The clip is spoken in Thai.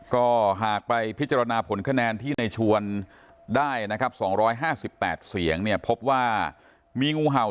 ก็หากไปพิจารณาผลคะแนนที่ในชวนได้นะครับ๒๕๘เสียงเนี่ยพบว่ามีงูเห่า